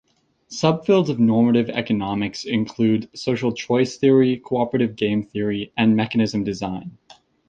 Subfields of normative economics include social choice theory, cooperative game theory, and mechanism design.